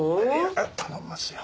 頼みますよ。